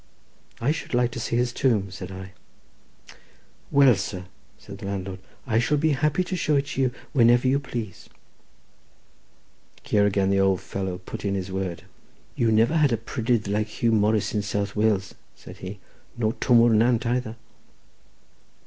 "I should like to see his tomb," said I. "Well, sir," said the landlord, "I shall be happy to show it to you whenever you please." Here again the old fellow put in his word. "You never had a prydydd like Huw Morris in South Wales," said he; "nor Twm o'r Nant either."